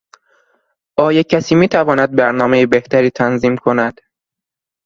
آیا کسی میتواند برنامهی بهتری تنظیم کند؟